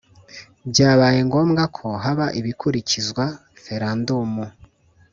byabaye ngombwa ko haba ibikurikizwa (referendumu)